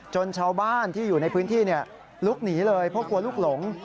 ชาวบ้านที่อยู่ในพื้นที่ลุกหนีเลยเพราะกลัวลูกหลง